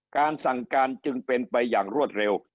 การสั่งการจึงเป็นไปอย่างรวดเร็ว